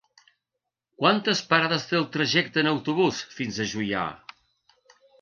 Quantes parades té el trajecte en autobús fins a Juià?